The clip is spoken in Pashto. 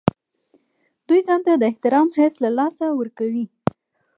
دوی ځان ته د احترام حس له لاسه ورکوي.